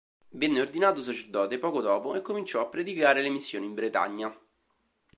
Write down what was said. Venne ordinato sacerdote poco dopo e cominciò a predicare le missioni in Bretagna.